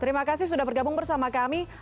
terima kasih sudah bergabung bersama kami